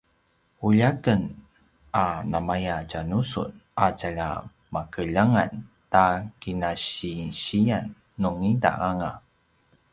ulja aken a namaya tja nu sun a tjalja makeljangan ta kinasinsiyan nungida anga